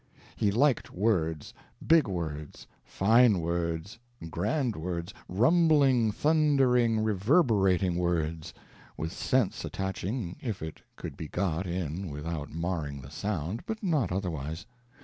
He liked words big words, fine words, grand words, rumbling, thundering, reverberating words; with sense attaching if it could be got in without marring the sound, but not otherwise.